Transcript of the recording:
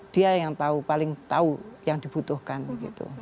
dia yang tahu paling tahu yang dibutuhkan gitu